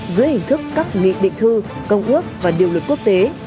dưới hình thức các nghị định thư công ước và điều luật quốc tế